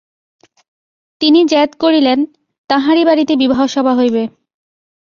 তিনি জেদ করিলেন, তাঁহারই বাড়িতে বিবাহসভা হইবে।